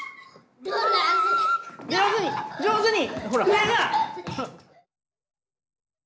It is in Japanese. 上手に上手に！